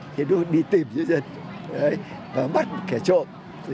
thì đưa đi tìm cho dân và bắt một cái trộm